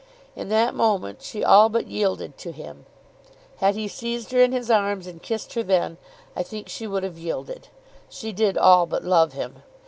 In that moment she all but yielded to him. Had he seized her in his arms and kissed her then, I think she would have yielded. She did all but love him.